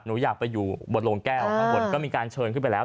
หนูอยากไปอยู่บนโรงแก้วข้างบนก็มีการเชิญขึ้นไปแล้ว